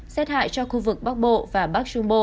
rét hại cho khu vực bắc bộ và bắc trung bộ